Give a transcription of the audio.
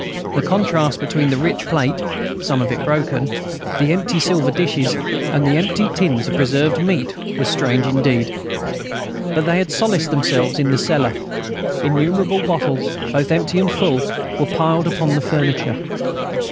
The contrast between the rich plate, some of it broken, the empty silver dishes, and the empty tins of preserved meat was strange indeed. But they had solaced themselves in the cellar. Innumerable bottles, both empty and full, were piled upon the furniture.